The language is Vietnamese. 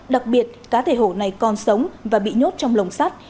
đặc biệt cá thể hổ này còn sống và bị nhốt trong lồng sắt